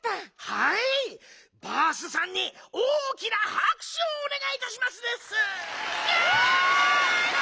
はいバースさんに大きなはくしゅをおねがいいたしますです！